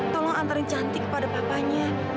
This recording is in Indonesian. tolong antarin cantik kepada papanya